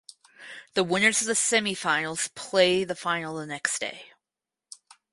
The winners of the semifinals play the final the next day.